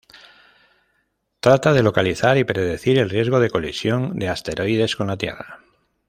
Trata de localizar y predecir el riesgo de colisión de asteroides con la Tierra.